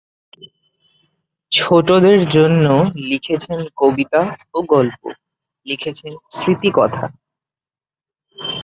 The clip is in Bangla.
ছোটদের জন্য লিখেছেন কবিতা ও গল্প; লিখেছেন স্মৃতিকথা।